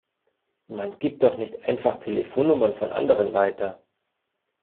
Man gibt doch nicht einfach Telefonnummern von anderen weiter!